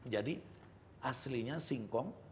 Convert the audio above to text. jadi aslinya singkong